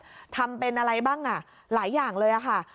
ทำเป็นอะไรบ้างอ่ะหลายอย่างเลยค่ะ